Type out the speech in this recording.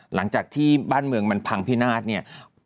หลังจากที่บ้านเมืองมันพังพินาศเนี่ย